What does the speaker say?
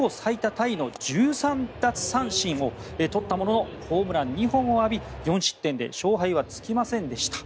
タイの１３奪三振を取ったもののホームラン２本を浴び、４失点で勝敗はつきませんでした。